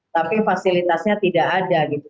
tapi fasilitasnya tidak ada gitu